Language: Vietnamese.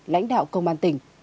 lãnh đạo công an tỉnh